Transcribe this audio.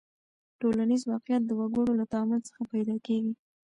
ټولنیز واقعیت د وګړو له تعامل څخه پیدا کېږي.